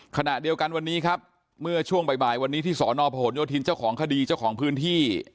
ขณะเดียวกันวันนี้ครับเมื่อช่วงบ่ายวันนี้ที่สอนอพหนโยธินเจ้าของคดีเจ้าของพื้นที่